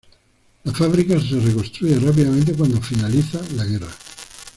La fábrica se reconstruye rápidamente cuando finalizada la guerra.